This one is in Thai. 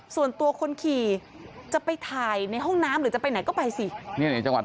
ส่วนตัวคนขี่จะไปถ่ายในห้องน้ำหรือจะไปไหนก็ไปสิ